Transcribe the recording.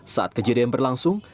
saat kejadian berlangsung